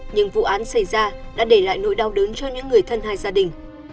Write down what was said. nhưng vụ án xảy ra đã để lại nỗi đau đớn cho những người thân hay gia đình